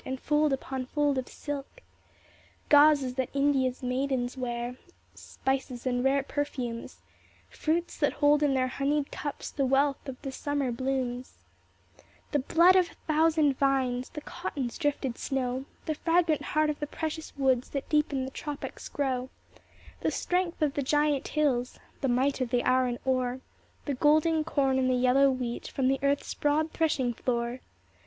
And fold upon fold of silk ; Gauzes that India's maidens wear ; Spices, and rare perfumes ; Fruits that hold in their honeyed cups The wealth of the summer blooms. TREASURE SHIPS 317 The blood of a thousand vines ; The cotton's drifted snow ; The fragrant heart of the precious woods That deep in the tropics grow ; The strength of the giant hills ; The might of the iron ore ; The golden corn, and the yellow wheat From earth's broad threshing floor.